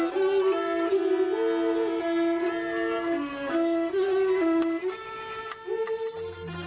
กลับมาที่สุดท้าย